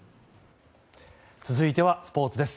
続いてはスポーツです。